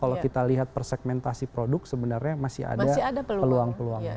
kalau kita lihat persegmentasi produk sebenarnya masih ada peluang peluangnya